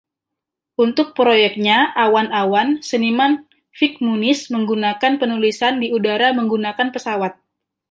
Untuk proyeknya "awan awan", seniman Vik Muniz menggunakan penulisan di udara menggunakan pesawat.